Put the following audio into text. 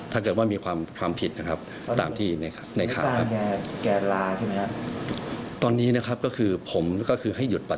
ถ้าเกิดว่ามีความผิดนะครับตามที่ในข่าวครับ